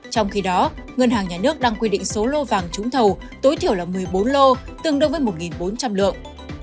trong khi đó ngân hàng nhà nước đang quy định số lô vàng trúng thầu tối thiểu là một mươi bốn lô tương đương với một bốn trăm linh lượng